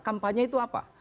kampanye itu apa